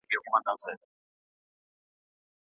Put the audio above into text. قراچه خان د پاچا په وړاندې زارۍ وکړې.